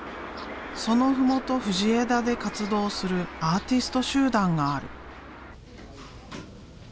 その麓藤枝で活動するアーティスト集団がある。